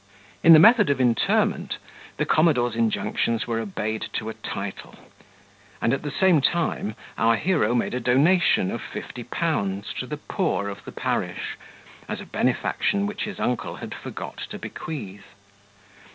In the method of interment, the commodore's injunctions were obeyed to a title; and at the same time our hero made a donation of fifty pounds to the poor of the parish, as a benefaction which his uncle had forgot to bequeath.